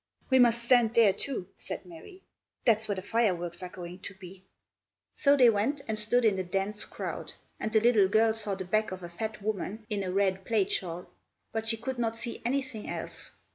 "We must stand there, too," said Mary; "there's where the fireworks are going to be." So they went and stood in the dense crowd; and the little girl saw the back of a fat woman in a red plaid shawl, but she could not see anything else.